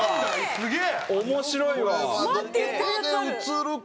すげえ。